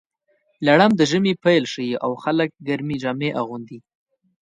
لړم د ژمي پیل ښيي، او خلک ګرمې جامې اغوندي.